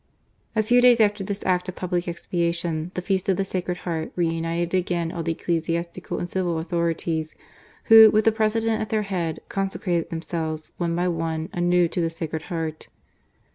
A few dajs after this act of public expiation, the feast of the Sacred Heart re united again all the ecclesiastical and civilauthnrities, who, with the Pre sident at their head, consecrated themselves, one by one, anew to the Sacred Heart.